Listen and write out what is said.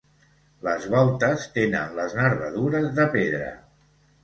Les voltes tenen les nervadures de pedra.